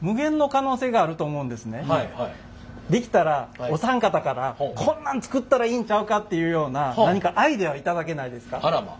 できたらお三方からこんなん作ったらいいんちゃうかっていうような何かあらま。